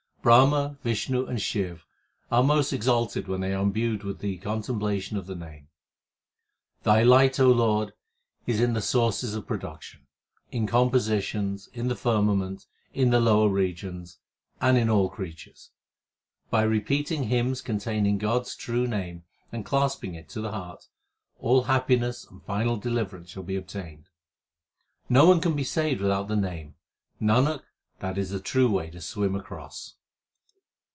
Brahma, Vishnu, and Shiv are most exalted when they are imbued with the contemplation of the Name. Thy light, O Lord, is in the sources of production, in com positions, in the firmament, in the lower regions, and in all creatures. By repeating hymns containing God s true name and clasping it to the heart, all happiness and final deliverance shall be obtained. No one can be saved without the Name ; Nanak, that is the true way to swim across.